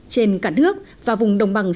trên cả nước và vùng đồng bằng